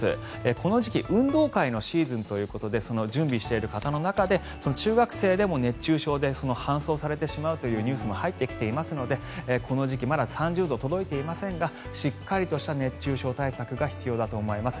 この時期運動会のシーズンということでその準備をしている方の中で中学校でも熱中症で搬送されてしまうというニュースも入っていますのでこの時期まだ３０度に届いていませんがしっかりとした熱中症対策が必要だと思います。